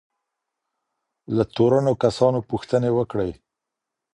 له تورنو کسانو پوښتني وکړئ.